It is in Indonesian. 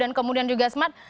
dan kemudian juga smart